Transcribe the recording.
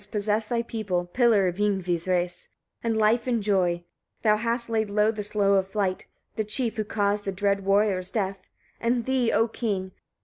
possess thy people, pillar of Yngvi's race! and life enjoy; thou hast laid low the slow of flight, the chief who caused the dread warrior's death. And thee, O king!